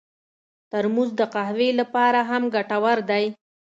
ترموز د قهوې لپاره هم ګټور دی.